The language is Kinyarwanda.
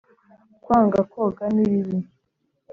kwanga koga ni bibi